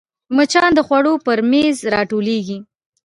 مچان د خوړو پر میز راټولېږي